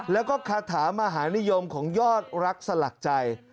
แล้วก็คาถามหานิยมของยอดรักสลักใจ